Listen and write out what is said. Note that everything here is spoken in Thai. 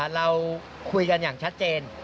เราคุยกันอย่างชัดเจน